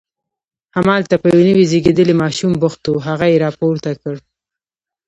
همالته په یو نوي زیږېدلي ماشوم بوخت و، هغه یې راپورته کړ.